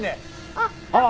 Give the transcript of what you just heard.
あっあっ！